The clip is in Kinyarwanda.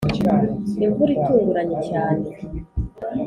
imvura itunguranye cyane